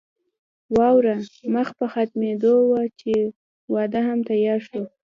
واوره مخ په ختمېدو وه چې واده هم تيار شو.